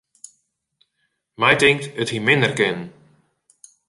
My tinkt, it hie minder kinnen.